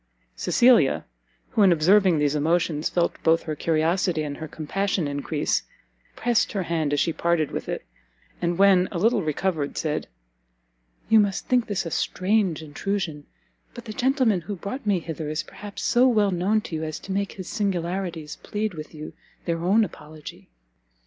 Cecilia, who in observing these emotions felt both her curiosity and her compassion encrease, pressed her hand as she parted with it, and, when a little recovered, said, "You must think this a strange intrusion; but the gentleman who brought me hither is perhaps so well known to you, as to make his singularities plead with you their own apology."